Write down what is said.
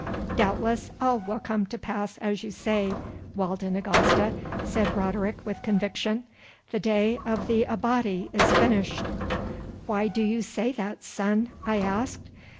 "Doubtless all will come to pass as you say, Walda Nagasta," said Roderick with conviction. "The day of the Abati is finished." "Why do you say that, Son?" I asked.